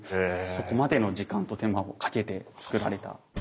そこまでの時間と手間をかけてつくられた。